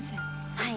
はい。